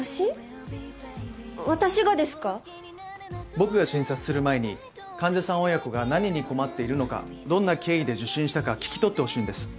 僕が診察する前に患者さん親子が何に困っているのかどんな経緯で受診したか聞き取ってほしいんです。